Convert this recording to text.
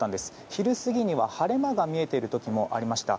昼過ぎには晴れ間が見えている時もありました。